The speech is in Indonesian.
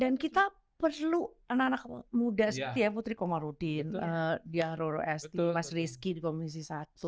dan kita perlu anak anak muda seperti ya putri komarudin diyah roro esti mas rizky di komisi satu